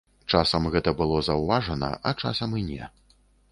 Часам гэта было заўважана, а часам і не.